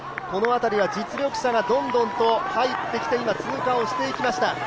この辺りは実力者がどんどんと通過していきました。